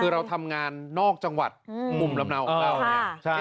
คือเราทำงานนอกจังหวัดมุมลำเนาของเราเนี่ย